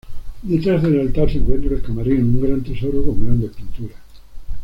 Detrás del altar se encuentra el camarín, un gran tesoro, con grandes pinturas.